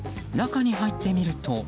中に入ってみると。